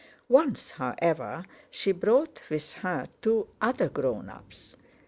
Once, however, she brought with her two other "grown ups."